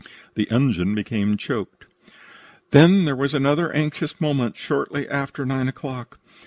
THE ENGINE BECAME CHOKED "Then there was another anxious moment shortly after nine o'clock.